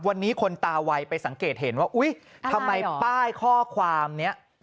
วันนี้คนตาวัยไปสังเกตเห็นว่าอุ๊ยทำไมป้ายข้อความนี้